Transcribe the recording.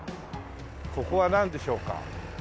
ここはなんでしょうか？